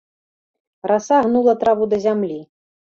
Раса гнула траву да зямлі.